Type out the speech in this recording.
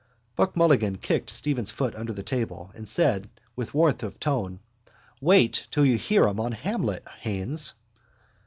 Buck Mulligan kicked Stephen's foot under the table and said with warmth of tone: —Wait till you hear him on Hamlet, Haines.